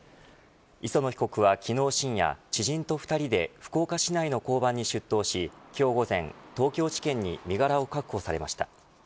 磯野被告は昨日深夜知人と２人で福岡市内の交番に出頭し今日午前東京地検に身柄を確保されました。